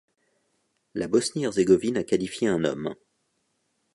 La Bosnie-Herzégovine a qualifié un homme.